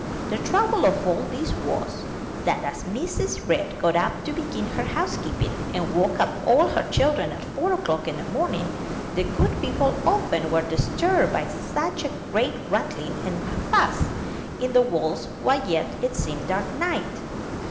The trouble of all this was, that, as Mrs. Red got up to begin her housekeeping, and woke up all her children, at four o'clock in the morning, the good people often were disturbed by a great rattling and fuss in the walls while yet it seemed dark night.